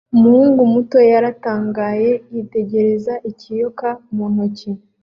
Umuhungu muto yaratangaye yitegereza ikiyoka mu ntoki